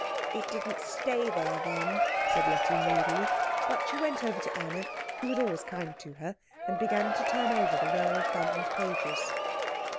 "It didn't stay there, then," said Letty moodily; but she went over to Anna, who was always kind to her, and began to turn over the well thumbed pages.